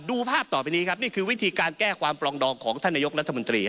ภาพต่อไปนี้ครับนี่คือวิธีการแก้ความปลองดองของท่านนายกรัฐมนตรี